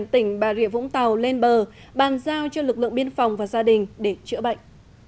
tỉnh bà rịa vũng tàu lên bờ bàn giao cho lực lượng biên phòng và gia đình để chữa bệnh